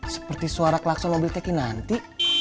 seperti suara kelakson mobil teki nanti